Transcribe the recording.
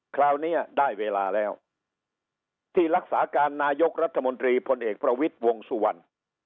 คราวนี้ได้เวลาแล้วที่รักษาการนายกรัฐมนตรีพลเอกประวิทย์วงสุวรรณ